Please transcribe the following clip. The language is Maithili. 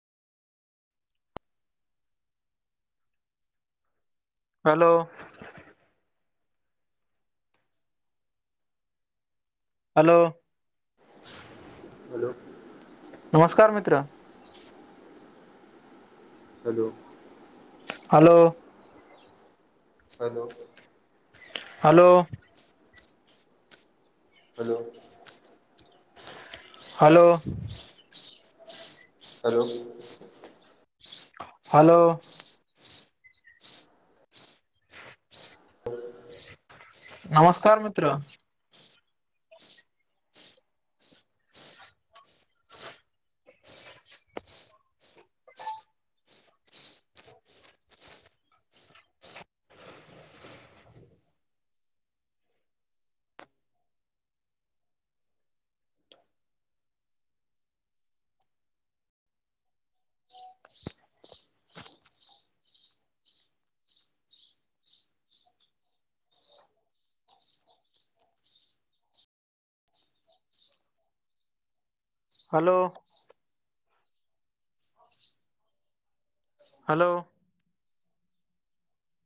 हेलो। हेलो। हेलो। नमस्कार मित्र। Hello. Hello. Hello. Hello. Hello. Hello. Hello. Hello. नमस्कार मित्र। हेलो। हेलो।